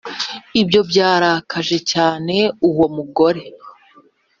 Ibyo byarakaje cyane uwo mugore